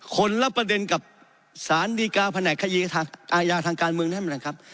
คนละประเด็นกับสารดีกาแผนกคดีทางอาญาทางการเมืองนั่นแหละครับ